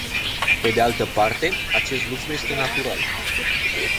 Pe de altă parte, acest lucru este natural.